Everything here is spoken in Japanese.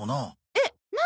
えっ何？